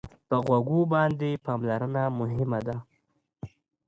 په غوږو باندې پاملرنه مهمه ده.